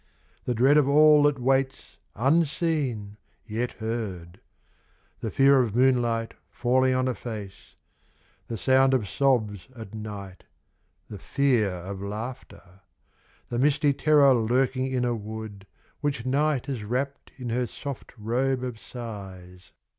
The dread of all that waits unseen, yet heard : The fear of moonlight falling on a face : The sound of sobs at night, the fear of laughter : The misty terror lurking in a wood Which night has wrapped in her soft robe of sighs.